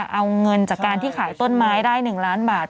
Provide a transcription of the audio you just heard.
เอาเงินจากการที่ขายต้นไม้ได้๑ล้านบาท